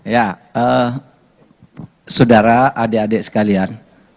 ya saudara adik adik sekalian